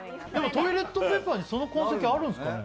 トイレットペーパーにその痕跡あるんですかね？